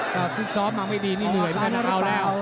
ก็พริกซอฟต์มาไม่ดีนี่เหนื่อยเอาแล้ว